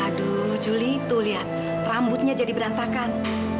aduh julie ala rambut nya jadi berantakan